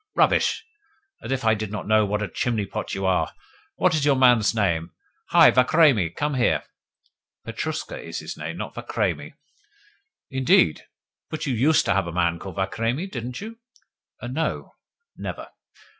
"Rubbish! As if I did not know what a chimney pot you are! What is your man's name? Hi, Vakhramei! Come here!" "Petrushka is his name, not Vakhramei." "Indeed? But you USED to have a man called Vakhramei, didn't you?" "No, never."